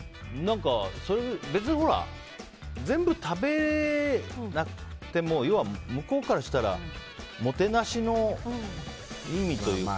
別に、全部食べなくても要は向こうからしたらもてなしの意味というか。